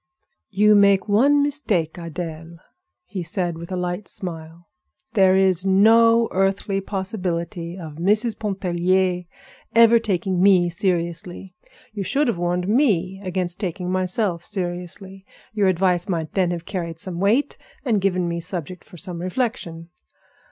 "You made one mistake, Adèle," he said, with a light smile; "there is no earthly possibility of Mrs. Pontellier ever taking me seriously. You should have warned me against taking myself seriously. Your advice might then have carried some weight and given me subject for some reflection.